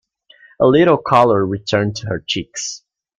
A little colour returned to her cheeks.